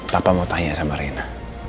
papa mau tanya sama rena